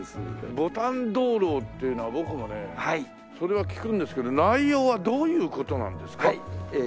『牡丹灯籠』っていうのは僕もねそれは聞くんですけど内容はどういう事なんですか？